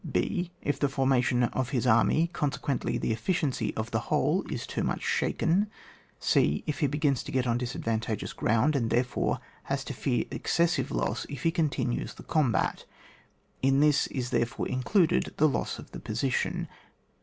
h. If the formation of his army, consequently the efficiency of the whole, is too much shaken. c. If he begins to fi; et on disadvan tageous ground, and therefore has to fear excessive loss if he continues the combat. (In this is therefore included the loss of the position.)